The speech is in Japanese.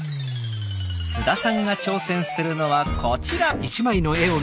菅田さんが挑戦するのはこちら。